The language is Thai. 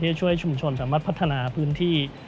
จะช่วยชุมชนสามารถพัฒนาพื้นที่